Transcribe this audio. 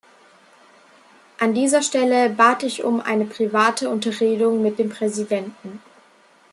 An dieser Stelle bat ich um eine private Unterredung mit dem Präsidenten.